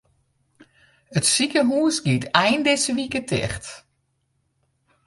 It sikehús giet ein dizze wike ticht.